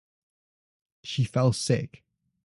She fell sick.